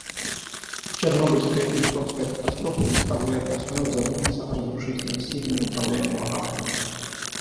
Чернобыльская и японская катастрофы заставляют нас вновь задуматься о разрушительной силе неуправляемого атома.